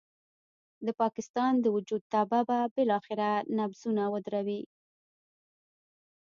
د پاکستان د وجود تبه به بالاخره نبضونه ودروي.